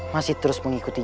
masih terus mengikuti